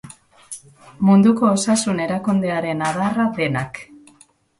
Munduko Osasun Erakundearen adarra denak.